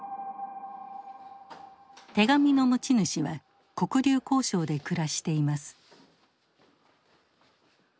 手紙の持ち主は黒竜江省で暮らしています。